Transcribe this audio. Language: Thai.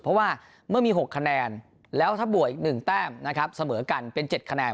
เพราะว่าเมื่อมี๖คะแนนแล้วถ้าบวกอีก๑แต้มนะครับเสมอกันเป็น๗คะแนน